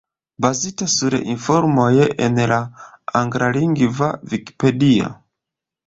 Bazita sur informoj en la anglalingva Vikipedio.